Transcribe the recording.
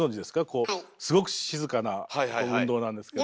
こうすごく静かな運動なんですけど。